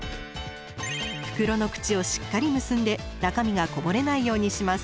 袋の口をしっかり結んで中身がこぼれないようにします。